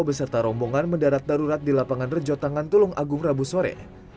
beserta rombongan mendarat darurat di lapangan rejo tangan tulung agung rabu sore